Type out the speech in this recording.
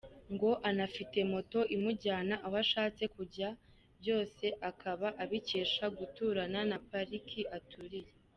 Ngo anafite moto imujyana aho ashatse kujya, byose aakaba abikesha guturana na pariki aturiye.